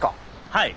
はい。